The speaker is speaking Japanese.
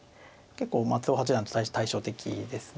結構松尾八段と対照的ですね。